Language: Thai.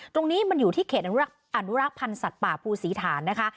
ตรงนี้มันอยู่ที่เขตอนุรักษ์พันธ์สัตว์ป่าภูศรีฐานนะคะ